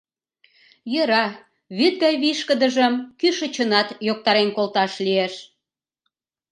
Йӧра, вӱд гай вишкыдыжым кӱшычынат йоктарен колташ лиеш.